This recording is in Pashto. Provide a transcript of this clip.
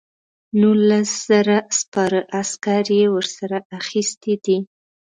نولس زره سپاره عسکر یې ورسره اخیستي دي.